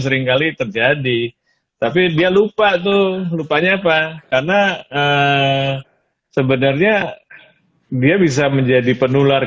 seringkali terjadi tapi dia lupa tuh lupanya apa karena sebenarnya dia bisa menjadi penular